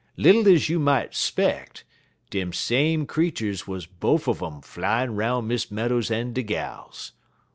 Little ez you might 'speck, dem same creeturs wuz bofe un um flyin' 'roun' Miss Meadows en de gals.